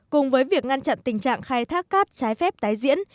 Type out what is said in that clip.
cùng với việc ngăn chặn tình trạng khai thác cát trái phép tái diễn